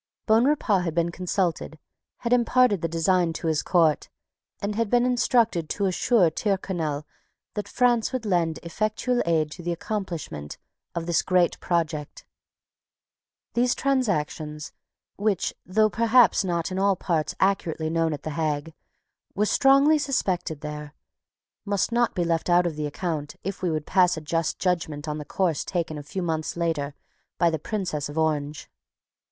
Bonrepaux had been consulted, had imparted the design to his court, and had been instructed to assure Tyrconnel that France would lend effectual aid to the accomplishment of this great project. These transactions, which, though perhaps not in all parts accurately known at the Hague, were strongly suspected there, must not be left out of the account if we would pass a just judgment on the course taken a few months later by the Princess of Orange.